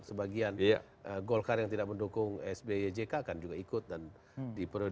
sebagian golkar yang tidak mendukung sbyjk kan juga ikut dan bergabung